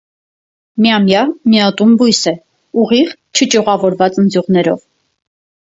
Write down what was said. Միամյա, միատուն բույս է՝ ուղիղ, չճյուղավորված ընձյուղներով։